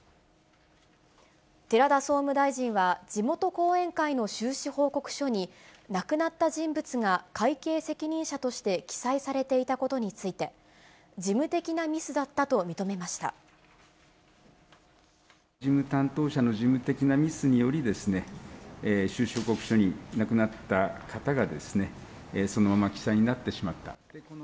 寺田総務大臣は、地元後援会の収支報告書に、亡くなった人物が会計責任者として記載されていたことについて、事務担当者の事務的なミスによりですね、収支報告書に亡くなった方がそのまま記載になってしまった。